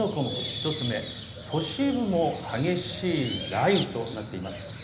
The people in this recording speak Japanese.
１つ目、都市部も激しい雷雨となっています。